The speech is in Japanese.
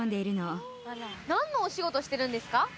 何のお仕事してるんですか？